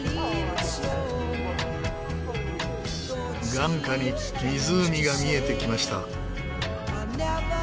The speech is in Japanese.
眼下に湖が見えてきました。